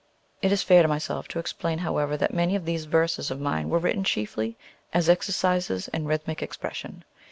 It is fair to myself to explain, however, that many of these verses of mine were written chiefly as exercises in rhythmic expression.